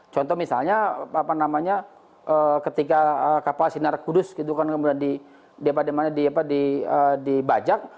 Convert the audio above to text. contoh misalnya apa namanya ketika kapal sinar kudus gitu kan kemudian di apa di mana di apa di bajak